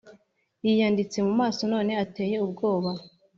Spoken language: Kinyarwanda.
Yiyanditse mu maso none ateye ubwoba